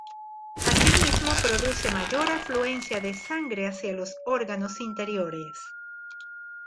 Asimismo produce mayor afluencia de sangre hacia los órganos interiores.